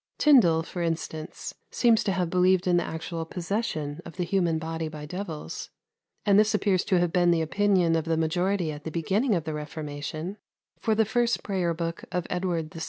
Tyndale, for instance, seems to have believed in the actual possession of the human body by devils; and this appears to have been the opinion of the majority at the beginning of the Reformation, for the first Prayer book of Edward VI.